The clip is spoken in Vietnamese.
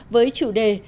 với chủ đề